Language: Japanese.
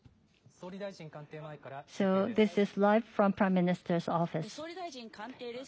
総理大臣官邸前から中継です。